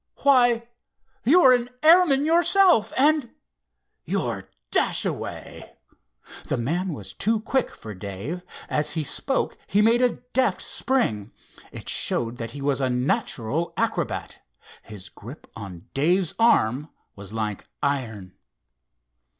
Why, you're an airman yourself and—you're Dashaway!" The man was too quick for Dave. As he spoke he made a deft spring. It showed that he was a natural acrobat. His grip on Dave's arm was like iron.